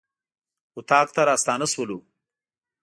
اطاق ته راستانه شولو.